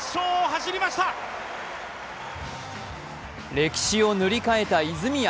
歴史を塗り替えた泉谷。